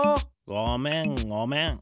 ごめんごめん。